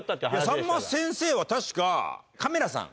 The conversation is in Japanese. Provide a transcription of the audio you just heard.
さんま先生は確か。